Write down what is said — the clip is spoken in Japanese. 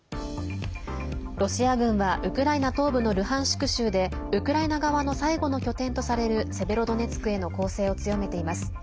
ロシア軍はウクライナ東部のルハンシク州でウクライナ側の最後の拠点とされるセベロドネツクへの攻勢を強めています。